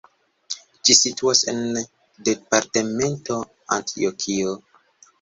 Ĝi situas en departemento Antjokio.